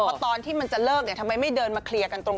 เพราะตอนที่มันจะเลิกเนี่ยทำไมไม่เดินมาเคลียร์กันตรง